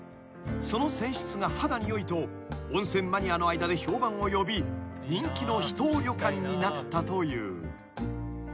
［その泉質が肌によいと温泉マニアの間で評判を呼び人気の秘湯旅館になったという］